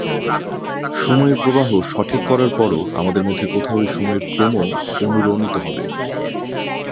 সময়ের প্রবাহ সঠিক করার পরও, আমাদের মধ্যে কোথাও এই সময়ের ক্রম অনুরণিত হবে।